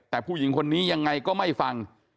แต่ผู้หญิงคนนี้ยังไงก็ไม่ฟัง